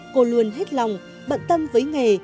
cô luôn hết lòng bận tâm với nghề